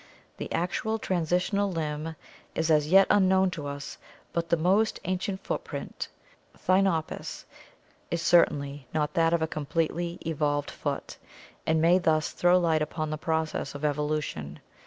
The actual transitional limb is as yet unknown to us, but the most ancient footprint, Thinopus (Fig. 142), is certainly not that of a completely evolved foot and may thus throw light upon the process of evolution.